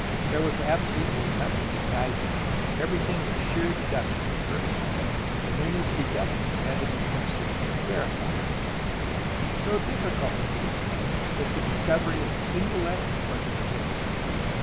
There was absolutely nothing to guide him. Everything was sheer deduction at first, and then his deductions had to be tested and verified. So difficult was his task that the discovery of a single letter was an event.